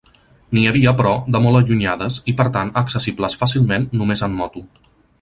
N'hi havia, però, de molt allunyades i, per tant, accessibles fàcilment només en moto.